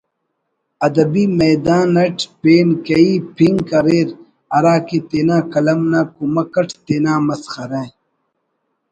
ادبی میدان it pain کیہی پنک اریر ہراکہ تینا قلم نا کمک اٹ تینا مسخرہ